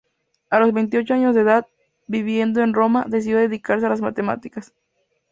A los veintiocho años de edad, viviendo en Roma, decidió dedicarse a las matemáticas.